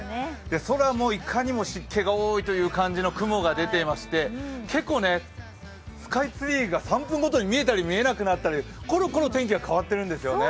空もいかにも湿気が多いという感じの雲が出ていまして結構、スカイツリーが３分ごとに見えたり見えなくなったりころころ天気が変わっているんですよね。